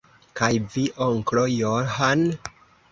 Kaj vi, onklo John?